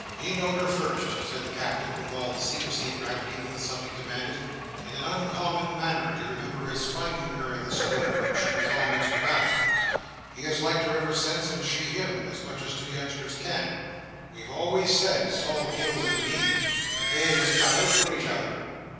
"He know'd her first," said the Captain, with all the secrecy and gravity that the subject demanded, "in an uncommon manner—you remember his finding her in the street when she was a'most a babby—he has liked her ever since, and she him, as much as two youngsters can. We've always said, Sol Gills and me, that they was cut out for each other."